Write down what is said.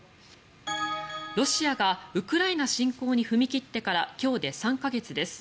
ロシアがウクライナ侵攻に踏み切ってから今日で３か月です。